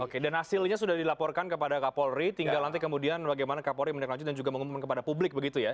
oke dan hasilnya sudah dilaporkan kepada kapolri tinggal nanti kemudian bagaimana kapolri menindaklanjut dan juga mengumumkan kepada publik begitu ya